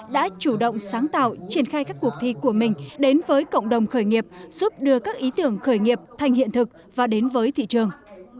đã chủ động sáng tạo triển khai các cuộc thi của mình đến với cộng đồng khởi nghiệp giúp đưa các ý tưởng khởi nghiệp thành hiện thực và đến với thị trường